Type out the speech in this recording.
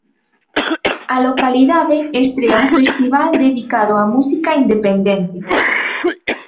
A localidade estrea un festival dedicado á música independente.